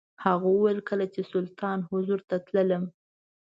هغه وویل کله چې سلطان حضور ته تللم.